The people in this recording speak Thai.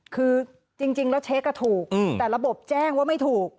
คือจริงจริงแล้วเช็กก็ถูกอืมแต่ระบบแจ้งว่าไม่ถูก